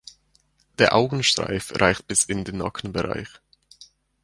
Der Augenstreif reicht bis in den Nackenbereich.